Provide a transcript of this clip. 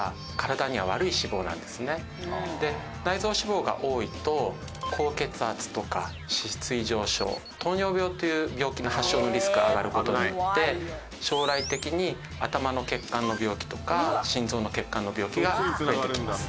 で内臓脂肪が多いと高血圧とか脂質異常症糖尿病という病気の発症のリスクが上がる事になって将来的に頭の血管の病気とか心臓の血管の病気が出てきます。